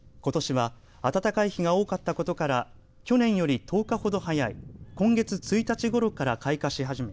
ことしは暖かい日が多かったことから去年より１０日ほど早い今月１日ごろから開花し始め